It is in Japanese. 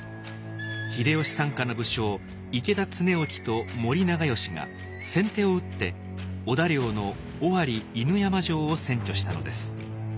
秀吉傘下の武将池田恒興と森長可が先手を打って織田領の尾張犬山城を占拠したのです。